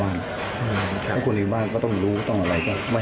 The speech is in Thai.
วันนี้เงียบเลยนะ